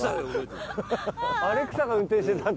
アレクサが運転してたんだ。